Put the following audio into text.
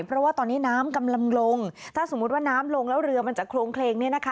เพราะว่าตอนนี้น้ำกำลังลงถ้าสมมุติว่าน้ำลงแล้วเรือมันจะโครงเคลงเนี่ยนะคะ